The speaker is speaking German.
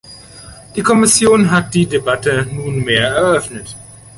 Die Kommission hat die Debatte nunmehr eröffnet.